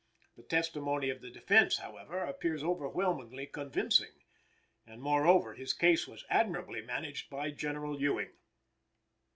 The testimony of the defense, however, appears overwhelmingly convincing, and, moreover, his case was admirably managed by General Ewing.